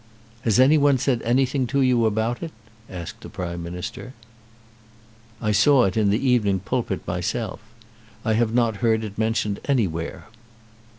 "Has any one said anything to you about it?" asked the Prime Minister. "I saw it in the 'Evening Pulpit' myself. I have not heard it mentioned anywhere."